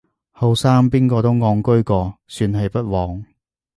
後生邊個都戇居過，算係不枉